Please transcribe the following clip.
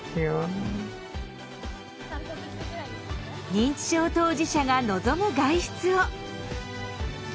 認知症当事者が望む外出を。